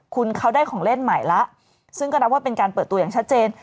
คุณเขาได้ของเล่นใหม่แล้วซึ่งก็นับว่าเป็นการเปิดตัวอย่างชัดเจน